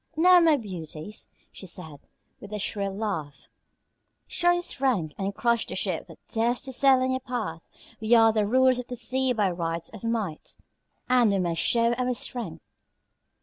"Now, my beauties," she said, with a shrill laugh, "show your strength and crush the ship that dares to sail in your path. We are the rulers of the sea by right of might and we must show our strength."